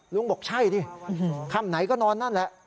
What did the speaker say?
ลุงบอกใช่ดิค่ำไหนก็นอนนั่นแหละ